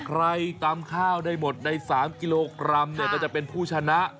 ใครตำข้าวได้หมดใน๓กิโลกรัมจะเป็นผู้ชนะ